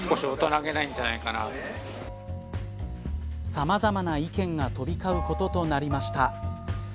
さまざまな意見が飛び交うこととなりました。